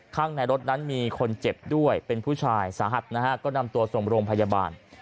ข้างในรถนั้นมีคนเจ็บด้วยเป็นผู้ชายสาหัสนะฮะก็นำตัวส่งโรงพยาบาล